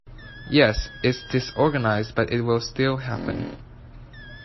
Yes, it’s disorganized but it will still happen.